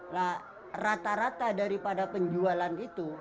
nah rata rata daripada penjualan itu